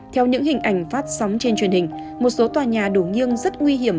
theo những hình ảnh phát sóng trên truyền hình một số tòa nhà đủ nghiêng rất nguy hiểm